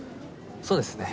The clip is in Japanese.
そうですね。